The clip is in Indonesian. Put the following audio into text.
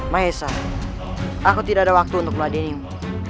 maesha aku tidak ada waktu untuk meladainimu